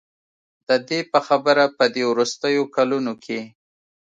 د دې په خبره په دې وروستیو کلونو کې